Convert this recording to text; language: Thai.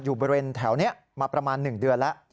อยู่บริเวณแถวนี้มาประมาณ๑เดือนแล้ว